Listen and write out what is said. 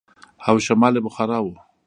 او شمال يې بخارا و.